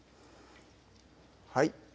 はい